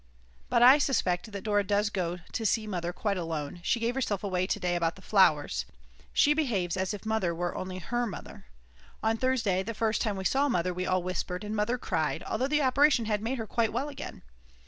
But I suspect that Dora does go to see Mother quite alone, she gave herself away to day about the flowers, she behaves as if Mother were only her mother. On Thursday, the first time we saw Mother, we all whispered, and Mother cried, although the operation had made her quite well again.